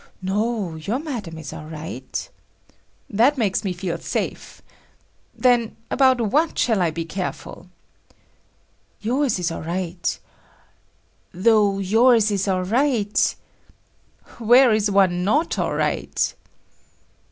"No, your Madam is all right." "That makes me feel safe. Then about what shall I be careful?" "Yours is all right. Though yours is all right……." "Where is one not all right?"